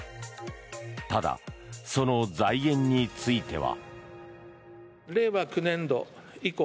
ただ、その財源については。